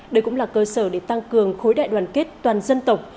đây cũng là cơ sở để tăng cường khối đại đoàn kết toàn dân tộc